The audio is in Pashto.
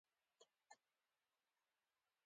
ستۍ هغه ښځي ته وايي چي د ژوند ترپایه واده ونه کي.